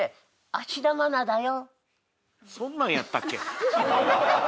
芦田愛菜だよ。